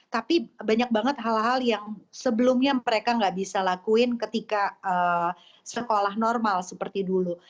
tapi banyak banget hal hal yang sebelumnya mereka nggak bisa lakuin ketika sekolah normal seperti dulu